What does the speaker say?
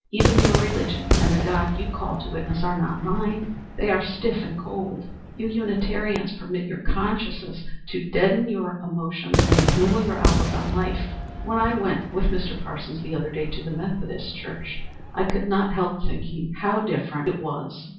Even your religion and the God you call to witness are not mine. They are stiff and cold; you Unitarians permit your consciences to deaden your emotions and belittle your outlook on life. When I went with Mr. Parsons the other day to the Methodist church, I could not help thinking how different it was.